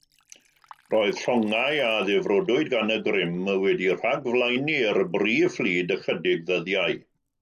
Roedd llongau a ddifrodwyd gan y grym wedi rhagflaenu'r brif fflyd ychydig ddyddiau.